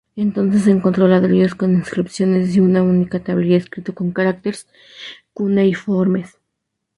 Entonces encontró ladrillos con inscripciones y una única tablilla escrito con caracteres cuneiformes.